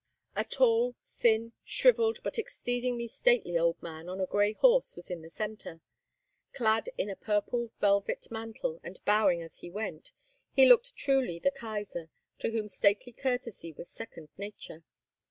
A tall, thin, shrivelled, but exceedingly stately old man on a gray horse was in the centre. Clad in a purple velvet mantle, and bowing as he went, he looked truly the Kaisar, to whom stately courtesy was second nature.